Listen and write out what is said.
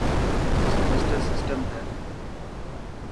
سيمپٽمبر سٽم هي.